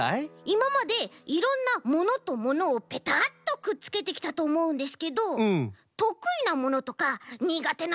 いままでいろんなものとものをぺたっとくっつけてきたとおもうんですけどとくいなものとかにがてなものってあるんですか？